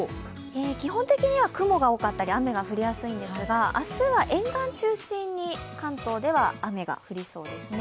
基本的には雲が多かったり雨が降りやすいんですが明日は沿岸中心に関東では雨が降りそうですね。